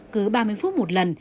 cứ ba mươi phút một lần